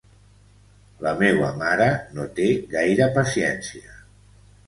La meua mare no té gaire paciència.